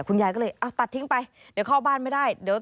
คุณยายก็เลยเอาตัดทิ้งไปเดี๋ยวเข้าบ้านไม่ได้เดี๋ยว